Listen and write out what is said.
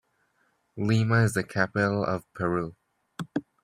Lima is the capital of Peru.